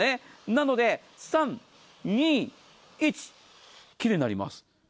なので３、２、１奇麗になります。